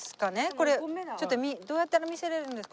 これちょっとどうやったら見せられるんですか？